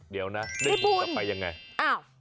เดี๋ยวนะได้บุญจะไปยังไง